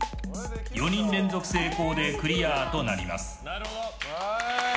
４人連続成功でクリアとなります。